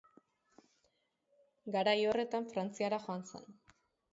Garai horretan Frantziara joan zen.